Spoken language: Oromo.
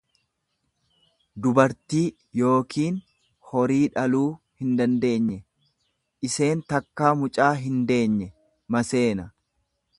dubartii yookiin horii dhaluu hindandeenye; Iseen takkaa mucaa hindeenye, maseena.